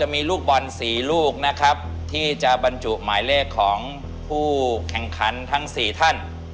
มีลูกบอล๔ลูกนะครับที่จะบรรจุหมายเลขของผู้แข่งขันทั้ง๔ท่าน